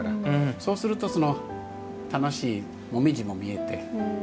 そうすると楽しい紅葉も見えて。